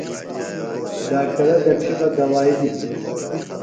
ڈاکٹرہ دڇھیۡ بہ دوائی دِتیۡ۔